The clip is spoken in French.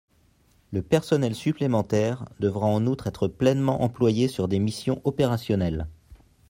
Le personnel supplémentaire devra en outre être pleinement employé sur des missions opérationnelles.